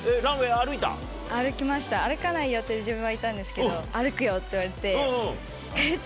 歩きました歩かない予定で自分はいたんですけど「歩くよ」って言われて「えっ⁉」と思って。